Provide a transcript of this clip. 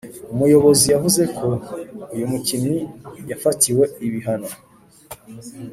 umuyobozi, yavuze ko “uyu mukinnyi yafatiwe ibihano,